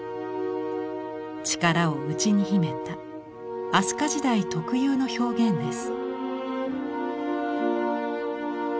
力を内に秘めた飛鳥時代特有の表現です。